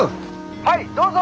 はいどうぞ！